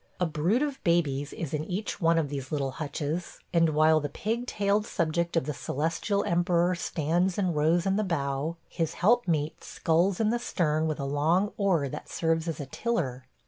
A brood of babies is in each one of these little hutches, and while the pigtailed subject of the Celestial Emperor stands and rows in the bow, his helpmeet sculls in the stern with a long oar that serves as a tiller.